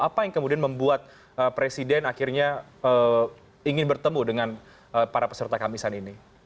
apa yang kemudian membuat presiden akhirnya ingin bertemu dengan para peserta kamisan ini